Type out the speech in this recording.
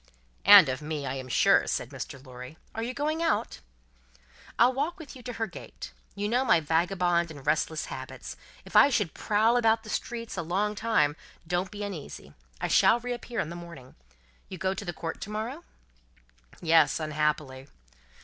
"And of me, I am sure," said Mr. Lorry. "Are you going out?" "I'll walk with you to her gate. You know my vagabond and restless habits. If I should prowl about the streets a long time, don't be uneasy; I shall reappear in the morning. You go to the Court to morrow?" "Yes, unhappily."